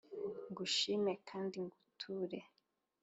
ngushime kandi nguture